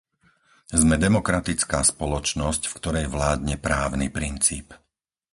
Sme demokratická spoločnosť, v ktorej vládne právny princíp.